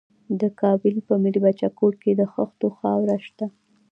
د کابل په میربچه کوټ کې د خښتو خاوره شته.